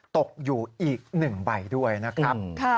ตกอยู่อีก๑ใบด้วยนะครับ